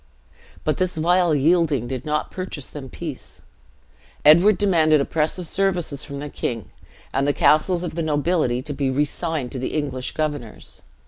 But this vile yielding did not purchase them peace: Edward demanded oppressive services from the king, and the castles of the nobility to be resigned to English governors.